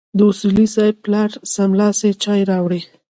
د اصولي صیب پلار سملاسي چای راوړې.